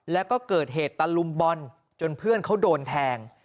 แล้วก็เกิดเหตุตะลุมบอลจนเพื่อนเขาโดนแทง